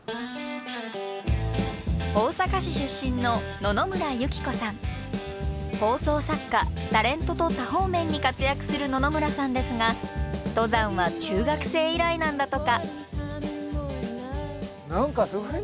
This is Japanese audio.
大阪市出身の放送作家タレントと多方面に活躍する野々村さんですが登山は中学生以来なんだとか。